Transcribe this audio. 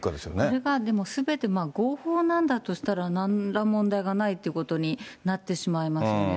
それがでもすべて合法なんだとしたらなんら問題がないということになってしまいますよね。